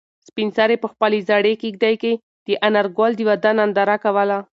سپین سرې په خپلې زړې کيږدۍ کې د انارګل د واده ننداره کوله.